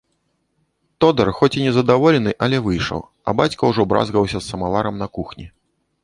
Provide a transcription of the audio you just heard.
Тодар, хоць і незадаволены, але выйшаў, а бацька ўжо бразгаўся з самаварам на кухні.